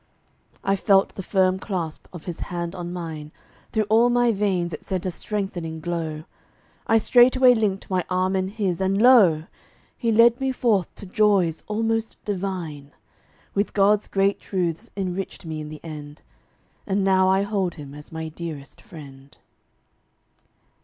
I felt the firm clasp of his hand on mine; Through all my veins it sent a strengthening glow. I straightway linked my arm in his, and lo! He led me forth to joys almost divine; With God's great truths enriched me in the end: And now I hold him as my dearest friend.